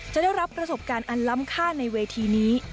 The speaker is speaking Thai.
จะได้รับประสบการณ์อันล้ำค่าในเวทีนี้